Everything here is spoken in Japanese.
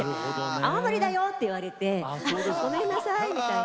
青森だよ、と言われてごめんなさいみたいな。